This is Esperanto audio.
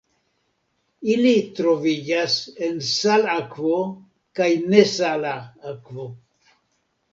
Ili troviĝas en salakvo kaj nesala akvo.